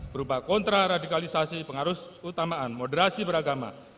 berupa kontraradikalisasi pengarusutamaan moderasi beragama